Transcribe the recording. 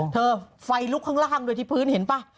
ไฟลุกข้างล่างโดยที่พื้นเห็นป่ะ